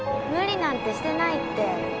無理なんてしてないって。